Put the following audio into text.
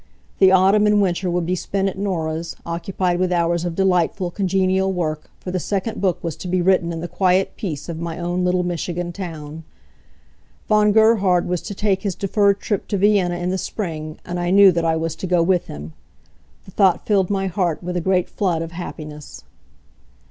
The autumn and winter would be spent at Norah's, occupied with hours of delightful, congenial work, for the second book was to be written in the quiet peace of my own little Michigan town. Von Gerhard was to take his deferred trip to Vienna in the spring, and I knew that I was to go with him. The thought filled my heart with a great flood of happiness.